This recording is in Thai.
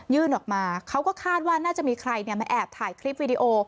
ออกมาเขาก็คาดว่าน่าจะมีใครมาแอบถ่ายคลิปวิดีโอ